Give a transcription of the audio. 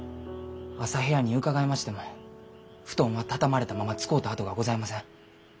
朝部屋に伺いましても布団は畳まれたまま使うた跡がございません。